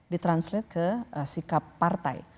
di translate ke sikap partai